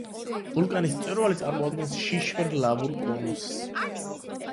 ვულკანის მწვერვალი წარმოადგენს შიშველ ლავურ კონუსს.